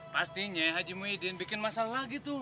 pastinya haji muhyiddin bikin masalah gitu